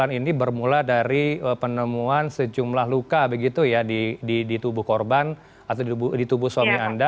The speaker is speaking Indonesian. pemeriksaan ini bermula dari penemuan sejumlah luka begitu ya di tubuh korban atau di tubuh suami anda